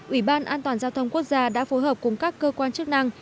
ủy ban an toàn giao thông quốc gia đã phối hợp cùng các cơ quan chức năng